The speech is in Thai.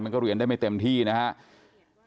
เรียนได้ไม่เต็มที่นะครับ